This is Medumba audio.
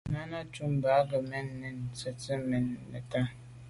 Náná cúp mbə̄ á gə̀ mə́ kɔ̌ nə̀ jɔ̌ŋ tsjə́n mɛ́n nə̀tá.